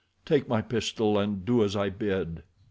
Take my pistol and do as I bid."